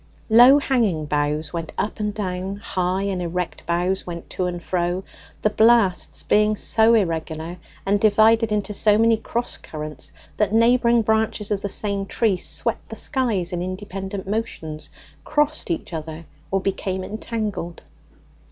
Low hanging boughs went up and down; high and erect boughs went to and fro; the blasts being so irregular, and divided into so many cross currents, that neighbouring branches of the same tree swept the skies in independent motions, crossed each other, or became entangled.